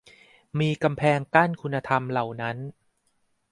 มีกำแพงกั้นคุณธรรมเหล่านั้น